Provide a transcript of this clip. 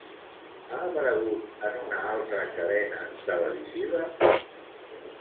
Ha aparegut en una altra cadena televisiva?